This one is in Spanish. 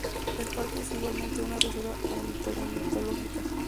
El parque es igualmente una reserva ornitológica.